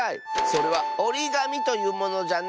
それはおりがみというものじゃな。